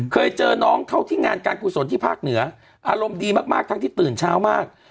เคยเจอน้องเข้าที่งานการกุศลที่ภาคเหนืออารมณ์ดีมากทั้งที่ตื่นเช้ามาก